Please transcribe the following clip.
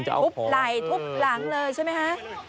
หล่ายทุกหลังเลยใช่ไหมฮะ